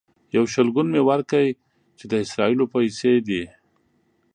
یو شلګون مې ورکړ چې د اسرائیلو پیسې دي.